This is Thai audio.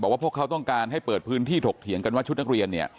ว่าพวกเขาต้องการให้เปิดพื้นที่ถกเถียงกันว่าชุดนักเรียนเนี่ย